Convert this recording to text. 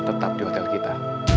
tetap di hotel kita